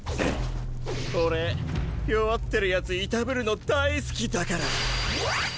俺弱ってるヤツいたぶるの大好きだから。